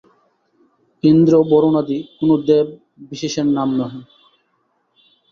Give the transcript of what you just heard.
ইন্দ্র-বরুণাদি কোন দেব-বিশেষের নাম নহে।